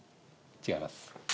違います。